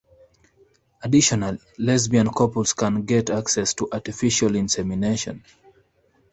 Additionally, lesbian couples can get access to artificial insemination.